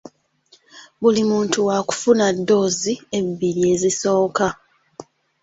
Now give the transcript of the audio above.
Buli muntu wa kufuna ddoozi ebbiri ezisooka.